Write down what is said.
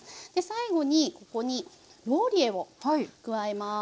最後にここにローリエを加えます。